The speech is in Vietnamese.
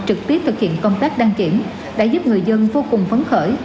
trực tiếp thực hiện công tác đăng kiểm đã giúp người dân vô cùng phấn khởi